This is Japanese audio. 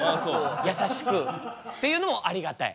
優しくっていうのもありがたい。